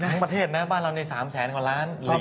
ทั้งประเทศนะบ้านเราใน๓แสนกว่าล้าน